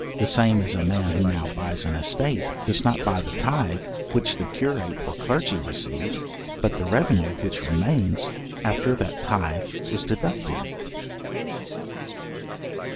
The same as a man who now buys an estate, does not buy the tythe which the curate or clergy receives, but the revenue which remains after that tythe is deducted.